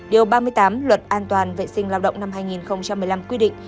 điều ba mươi tám luật an toàn vệ sinh lao động năm hai nghìn một mươi năm quy định